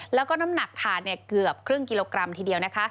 แล้วก็น้ำหนักถาดเกือบครึ่งกิโลกรัมทีเดียวนะคะ